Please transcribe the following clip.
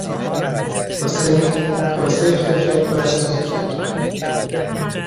حسین کاسهی خود را پر از سوپ کرد.